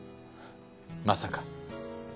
まさか。